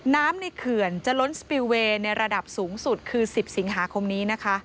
น้ำในเขื่อนจะล้นสปิลเวย์ในระดับสูงสุดคือ๑๐สิงหาคมนี้นะคะ